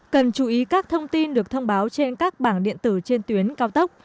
cần chú ý các thông tin được thông báo trên các bảng điện tử trên tuyến cao tốc